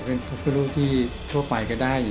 เป็นพระพุทธรูปที่ทั่วไปก็ได้